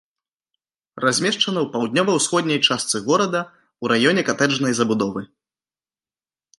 Размешчана ў паўднёва-ўсходняй частцы горада ў раёне катэджнай забудовы.